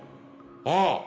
ああ！